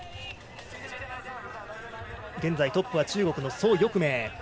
現在、トップは中国の蘇翊鳴。